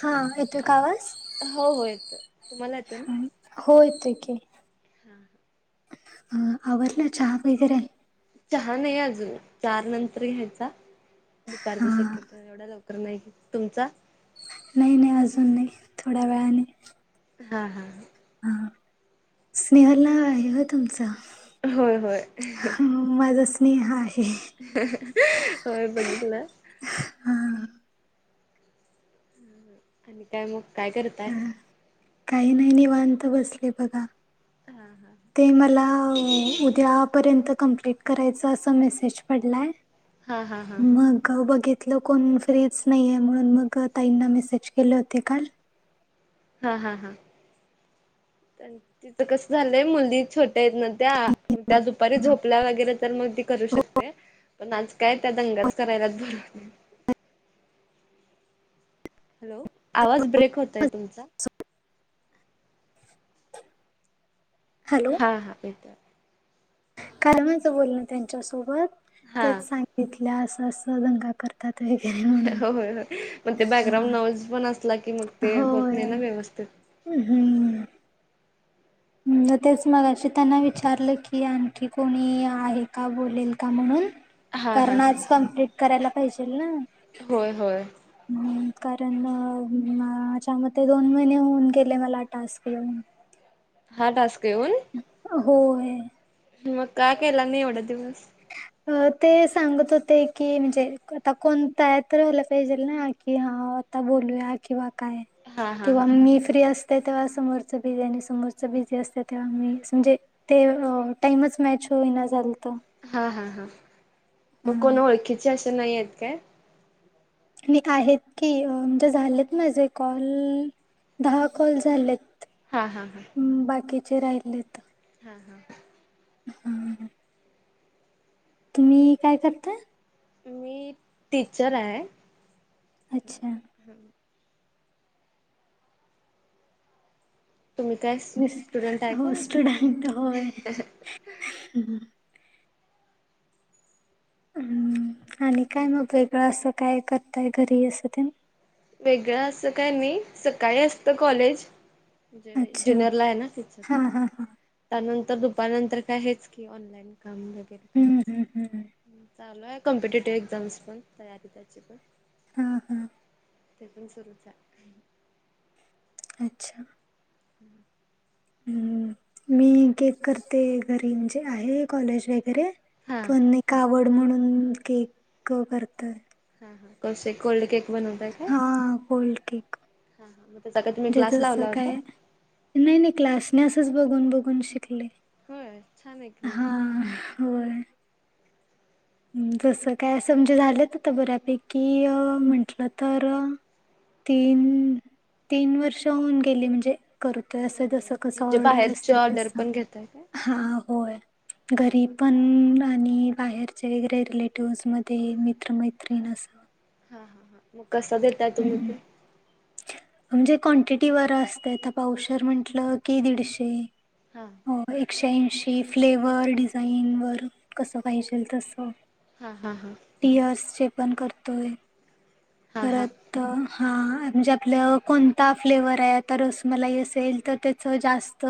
हा. येतोय का आवाज? हो हो. येतोय. तुम्हाला येतोय ना? हो येतोय की. हा ह. अ आला चहा [unintelligible] चहा नाही आहे अजून चार नंतर या्यायचा हा दुपारच्या शक्यता एवढा ल नाही तुमचा? नाही नाही अजून नाही थोड्या वेळाने हा हा. हा स्नेहल नाव आहे हो तुमचं. होय होय. स्नेहा आहे. होय बघितलं. हा आणि काय मग काय करताय? काही नाही निवांत बसले बघा हा हा ते मला उद्या पर्यंत कमप्लिट करायच अस मॅसेज पडलाय हा हा हा मग बघि तथलं कोण फ्रीच नाहीये म्हणून मग ताईंना मेसेज केले होते काल हा हा हा तिथं कस झालंय मुली छोट येत न त्या त्या दुपारी झोपल्या वगैरे तर मग ती करू शकते. पण आज काय त्या दंगाच करायल्यात हॅलो आवाज ब्रेक होतय तुमचा [inaudible] हा हा. कालमांचं बोलण त्यांच्या सोबत हा तेच सांगितल्या असं अस दंगा कर तात वग [unintelligible] हो होय होय मग ते बॅकग्राऊंड नॉवल्स पण असला की मग ते होत होय नाही ना व्यवस्थित हम्म. तेच मग अशी त्यांना विचारलं की आणखी कोणी आहे का बोलेल का म्हणून हा हा कारण हा. आज कम्प्लीट करायला पाहिजेल ना. होय होय ह् कारण माझ्यामध्येते दोन महिने होऊन गेले मला टास्क येऊन हा टास्क येऊन होय. म मग का केला नाही एवढं दिवस अ ते सांगत होते की म्हणजे आता कोणता आहे तर व्हाला पाहिजे ना की हा आता बोलूया किंवा काय हा हा किंवा हा. मी फ्री अस तेव्हा समोरचं बिझी आणि समोरच बिझी असते तेव्हा मी म्हणजे ते टाईमच मॅच होईना झालत हा हा हा मग कोणा आणि ओळखीचे असं नाही आहेत काय? मी आहेत की म्हजे झालेत माझे कॉल दहा कॉल झालेत हा हा हा. बाकीचे राहिलेत हा हा. हम्. तुम्ही काय करताय? मी टीचर आहे. अच्छा. तुम्ही काय? स्टुडंट आहे का? स्टुडंट होय. आणि काय मग वेगळं असं काय करताय घरी असं ते वेगळं असं काय नाही सकाळी असत कॉलेज. म्हजे म अच्छा ज्युनिरला आहे ना कि हा हा हा त्यानंतर दुपारनंतर काय आहेच की ऑनलाईन काम वगैरे हम्म करायचं. हम्म हम्म चालू आहे कॉम्पिटेटिव्ह एक्झाम्स पण तयारी त्याची पण हा हा. ते पण सुरूच हाय. अच्छा. हम्म. हम्म. मी केक करते घरी म्हणजे आहे कॉलेज वगैरे हा पण एक आवड म्हणून केक करतय. हा हा. कसे कोल्ड केक बनव हा कोल्ड केक. हा हा. मग त्याचा तुम्ही काय म्हणजे क्लास जसं लावला होता? काय नाही नाही क्लास. असच बघून बघून शिकले. होय छान आहे की हा. मग होय. जसं काय असं म्हणजे झाल्यात बऱ्यापैकी म्हंटलं तर तीन तीन वर्ष होऊन गेली म्हणजे करतय बर जस कस म्हणजे ऑर्डर बाहेरची असतय ऑर्डर तस. पण घेताय काय? हा होय. हा घरी हा पण आणि बाहेर आमचे रिलेटिव्ह मध्ये मित्रमैत्रीण अस. हा हा हा. मग कसं देताय तुम्ही हम्म. ते? म्हणजे क्वांटिटी वर असतय पावशेर म्हंटलं की दीडशे. हा. हो. एकशे ऐंशी फ्लेवर, डिझाईनवर कसं पाहिजेल तसं. हा हा हा. टीयर्स चे पण करतोय. हा हा परत हा म्हणजे आपलं कोणता फ्लेवर आहे आता रस मलाई असेल तर त्याच जास्त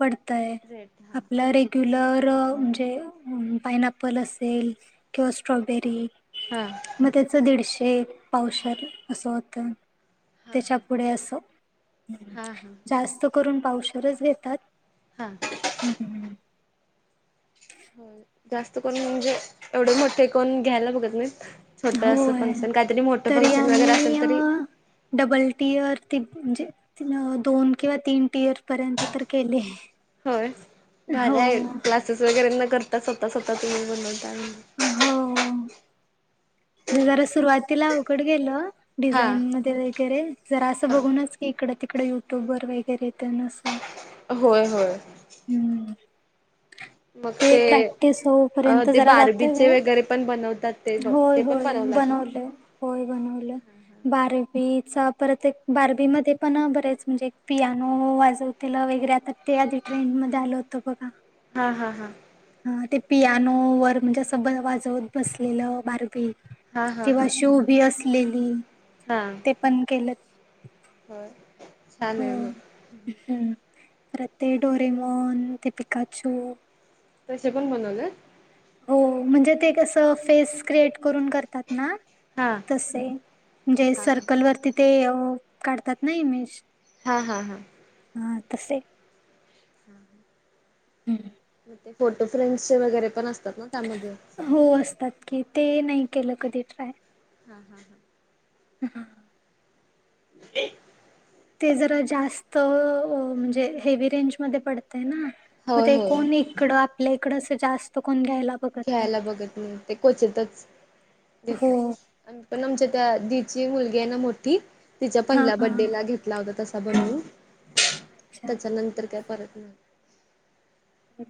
पडतय. रेट हा आपल रेग क्यूलर म्हणजे पाइन अप्पल असेल किंवा स्ट्रॉबेरी हा. मग त्याच दीडशे हा पावशेर असं होतं. हा त्याच्यापुढे असं. हा हा जास्त करून पावशेर च घेतात. हा. हम्म हम्म. होय. जास्त कोण म्हणजे एवढे मोठे कोण घ्यायला बघत नाही. छोटं असं होय फंक्शन काहीतरी, मोठं तरी फंक्शन वगैर आम्ही असेल अ तरी डबल टीअर ती म्हणजे दोन किंवा तीन टीअर पर्यंत तर केले. होय. भारी हो हाय क्लासेस वगैरे न करता स्वतः स्वतः तुम्ही बनवता हो. म जरा सुरुवातीला अवघड गेलं. हा. डिझाईन मध्ये वगैरे जरा असं बघूनच की इकडं तिकड युट्यूब वर वगैरे तेन असं. होय होय. हम्म ते प्रॅक्टिस अ होपर्यंत ते जरा जातोय बार्बीचे वेळ. वगैरे पण बनवतात ते होय ते पण होय. बनवला तुम्ही? लो होय बनवलं. बार्बी चा परत एक बार्बी मध्ये पण बरेच म्हणजे पियानो वाज तिला वगैरे आता ते आधी ट्रेंड मध्ये आल होतं बघा. हा हा हा. हा. ते पियानो वर म्हणजे असं ब वाजवत बसलेलं बार्बी हा हा किंवा हा शू बी असलेली हा ते पण केल. होय. छान आहे म परत ते डोरेमॉन ते पिकाचो. तसे पण बनवलेत? हो. म्हणजे ते कसं फेस क्रिएट करून करतात ना हा तसे म्हणजे हा हा सर्कल वरती ते काढतात ना इमेज. हा हा हा. हां तसे हा ह हम्म मग ते फोटो फेमचे वगैरे पण असतात ना त्यामध्ये हो असतात की ते नाही केलं कधी ट्राय हां हां हां ह हं ते ते जरा जास्त म्हणजे हेवी रेंजमध्येध्ये पडते ना मग होय ते होय कोण इकडं आपल्या इकडं जास्त कोण घ्यायला बघत नाही घ्यायला बघत नाही ते क्वचितच हो देतात पण आमच्या त्या दिची मुलगी आहे ना मोठी तिच्या हा पहिल्या हा बडेला घेत लागल तसा बनवू अच्छा त्याच्या नंतर काय परत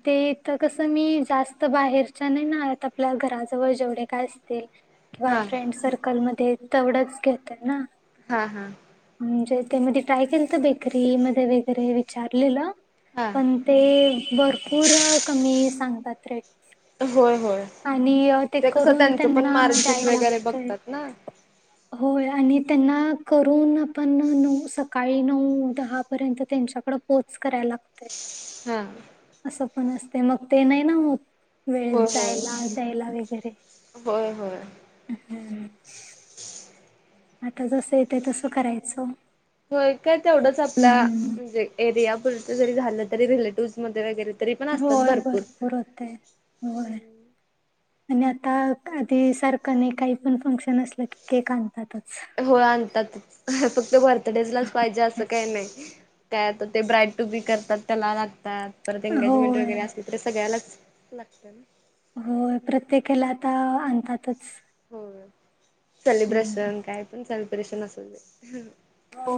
ते इथं कसं मी जास्त बाहेरच्या नाही ना आत आपल्या घराजवळ जेवढे काय असतील किंवा हा फ्रेंड सर्कल मध्ये तेवढंच घेतय ना हा हा म्हणजे त्यामध्ये ट्राय केल तर बेकरी मध्ये वगैरे विचारलेलं हा पण ते भरपूर कमी सांगतात ते होय होय ते कसं करून त्याचं पण त्यांना मार्जिन द्यायला वगैरे लागतंय. बघतात ना होय आणि त्यांना करून आपण नऊ सकाळी नऊ दहा पर्यंत त्यांच्याकड पोच करायला लागते. हा असं पण असते मग ते नाही ना होत वेळेत होय होय जायला द्यायला वगैरे होय होय. ह आता जसं येते तसं करायचं होय काय तेवढंच आपल्या हम्म म्हणजे एरिया पुुरत जरी झालं तरी रिलेटिव्ह मध्ये वगैरे तरी पण असतात होय भरपूर होते होय. आणि आता आधी सारखं नाही काही पण फंक्शन असलं की केक आणतातच होय आणतात फक्त बर्थडेज लाच पाहिजे असं काही नाही. काय तर ते ब्राईट टुबी करतात त्याला लागतात परत एंगेजमेंट होय वगैरे असल तरी सगळ्यालाच लागतं ना हो प्रत्येकाला आता आणतातच हो हम्म. सेलिब्रेशन काय पण सेलिब्रेशन असू दे. हो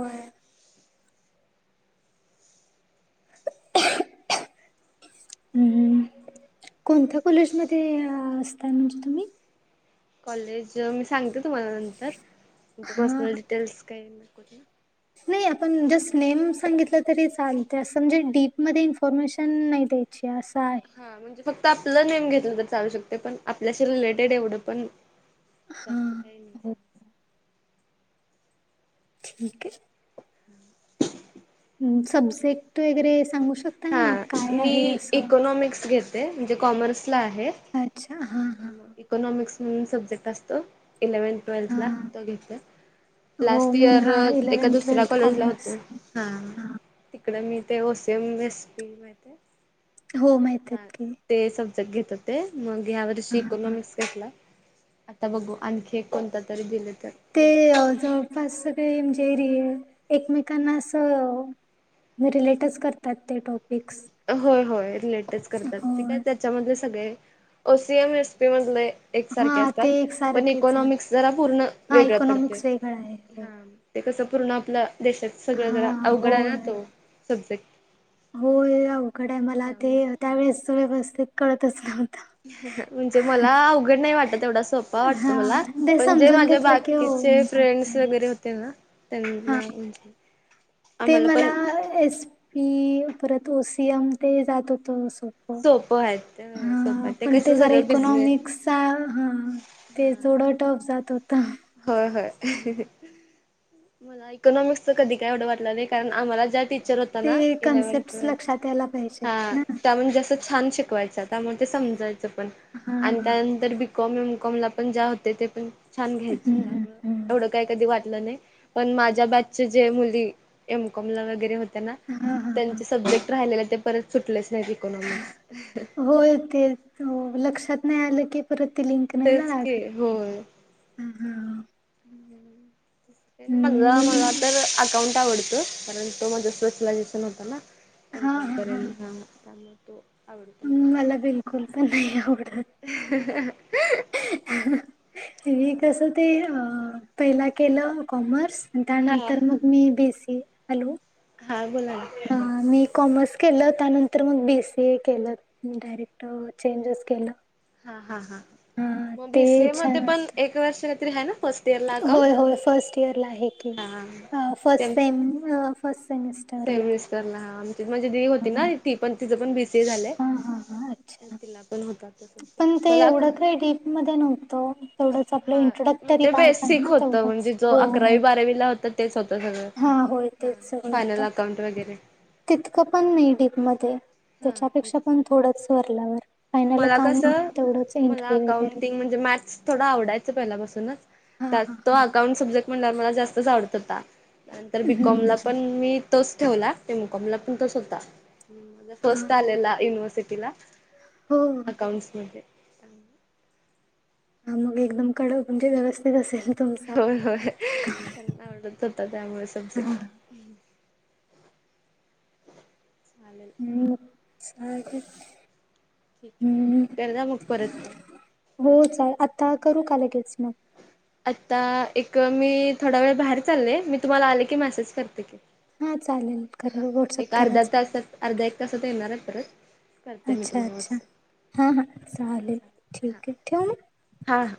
कोणत्या कॉलेज म ि असता म्हणजे तुम्ही कॉलेज मी सांगते तुम्हाला नंतर ते हां, पर्सनल हां. डिटेल्स काही नक नाही आपण जस्ट नेम सांगितलं तरी चालते असं म्हणजे डीपमध्येध्ये इन्फॉर्मेशन नाही द जे असं आहे. हा म्हणजे फक्त आपलं नेम घेतलं तर चालू शकते पण आपल्याशी रिलेटेड एवढं पण जास्त हां, काही नाही हो सां ठीक आहे सब्जेक्ट वगैरे सांगू शकत हा मी इकोनॉमिक्स घेते म्हणजे कॉमर्सला आहे अच्छा हा इकॉनॉमिक्स म्हणून सब्जेक्ट असतो इलेव्हनथ टवेल्थ ला हां. तो घेतला हो लास्ट मी इयर हां एका दुसऱ्या कॉलेजला होते. कॉमर्स हा हां. तिकडं मी ते ओसेम रेसिपी माहिती? हो माहिती आहेत हा की ते सब्जेक्ट घेतात ते मग ह्या वर्ष हां, हां. इकॉनॉमिक्स घेतला आता बघू आणखी एक कोणता तरी दिले तर ते दिले जवळपास सगळे म्हणजे रि एकमेकांना असं. म रिलेटिव्स करतात ते टॉप हो होय रिलेटच करतात ते काय होय. त्याच्या मधले सगळे ओसिएम रेसिपी मधले. एकसारखे हा ते असतात पण एकसारखेच आहेत. इकोनॉमिक्स जरा पूर्ण हा वेगळं पडते इकॉनॉमिक्स वेगळा आहे. हो. ह ते कसं पूर्ण आपलं देशात सगळं हा च अवघड आहे ना होय. तो सब्जेक्ट. होय अवघड आहे. मला हा ते म्हणजे? त्यावेेळेस व्यवस्थित कळतच नव्हत. म्हणजे मला अवघड नाही वाटत. तेवढा सोपा वाटतं हा मला ते पण जे समजून माझ्या घेतलं की बाकीचे होऊन फ्रेंड्स जाते. वगैरे होते ना हा त्यांना ते आम्हाला मला पण एस पी परत ओसीएम ते जात होतो. सोपं आहेत सोपं आहेत ते कस जरा सगळं बिझनेस इकॉनॉमिक्सचा हा हा ते थोडं टफ जात होत. होय हय. मला इकोनॉमिक्चं कधी काही एवढं वाटलं नाही कारण आम्हाला ज्या टीचर हो ते इलेव्हन कन्सेप्ट लक्षात यायला पाहिजेत ना. ट. छान शिकवायच त्यामुळे ते समजायचं पण हा आणि हा. त्यानंतर ब कॉम एमकॉम ला पण ज्या होते ते पण छान घ्यायचे हम्म हम्म हम्म. एवढं काही कधी वाटलं नाही पण माझ्या बच्चे जे मुली एमकमला वगैरे होते ना हा हा त्यां. हा. ज सब्जेक्ट राहिलेले ते परत सुटलेच नाही इकॉनॉमिक्स होय ते लक्षात नाही आलं की परत त लिंक नाही ला रा तेच की हम् हम. माझ मी मला तर अकाउंट आवडत कारण, तो मध्ये स्पेशलायझेशन होता नाप हा हाां हा हा हा मला हा बिलकुल पण नाही हं हं हं हीं हीं हा मी कस ते अ पहिला केलं कॉमर्स हा. त्यानंतर मग मी बेसी हॅलो! हा बोला ना, हा मी कॉमर्स केलं त्यानंतर मग बी सी ए केलं मी डयरेक्ट चेंजच केलं हा हा ह हा मग ते बीसीए छान मध्ये पण वाटत एक वर्ष काहीतरी आहे ना फर्स्ट इयर ला अकाउंट होय होय फर्स्ट इयर ला आहे की हा. फट स फस्ट सेमिस्टर. [unintelligible] माझे दी होती ना तीच पण ते झाले हा हा हा अच्छा तिला पण होता पण सब्जेक्ट ते मला अक एवढं काय डीप मध्ये नव्हत हा म्हणजे बेसिक होतं तेवढंच. म्हणजे जो होय. अकरावी, बारावीला होता तेच होत सगळं हा होय तेच सगळं फायनल होतं अकाउंट वगैरे तितकं पण नाही डीप मध्ये हा त्याच्यापेक्षा पण थोडंच वरल्यावर. फायनल मला अकाउंट तेवढंच इंटरव्हू वगैरे मॅथस थोडा आवडायचं पहिल्यापासूनच हा त्यात हा तो हा. अकाऊंट सब्जेक्ट म्हणल्यावर मला जास्तच आवडत होता नंतर बीकॉमला हम्म. पण मी तोच ठेवला ते एमकॉम ला पण तोच होता हा फर्स्ट आलेला युनिव्हर्सिटीला हो अकाउंट्स मध्येे हा मग एकदम कडक म्हणजे व्यवस्थित असेल. तुमचा. होय होय त्यांना आवडत होता. त्यामुळे समज हा. चालेल. स [inaudible] ठीक आहे कर द मग परत पण हो चालतय आता करू का लगेच मग? आता एक मी थोडा वेळ बाहेर चालले. मी तुम्हाला आले की मेसेज करते की. हा चालेल हा करेल व्हॉट्सअप एक अर्धा कराच. तासात अर्धा एक तासात येणार. तर अच्छा अच्छा हां हां लेल ठीक आहे ठेव. हां.